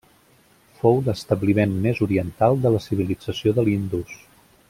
Fou l'establiment més oriental de la civilització de l'Indus.